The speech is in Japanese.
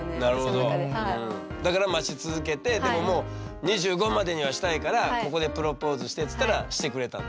だから待ち続けてでももう「２５までにはしたいからここでプロポーズして」っつったらしてくれたんだ。